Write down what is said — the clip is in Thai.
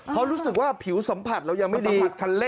เพราะรู้สึกว่าผิวสัมผัสเรายังไม่ดี